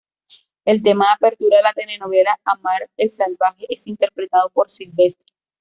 El tema de apertura de la telenovela "Amar... al salvaje" es interpretado por Silvestre.